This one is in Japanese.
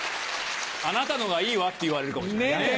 「あなたの方がいいわ」って言われるかもしれないね。